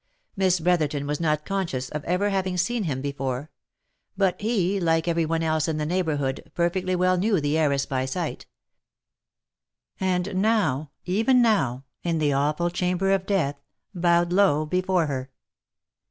Miss Brotherton was not conscious of ever having seen him before ; but he, like every one else in the neighbourhood, perfectly well knew the heiress by sight ; and now, even now, in the awful chamber of death, bowed low before her.